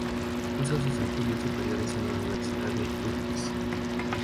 Hizo sus estudios superiores en la Universidad de Tufts.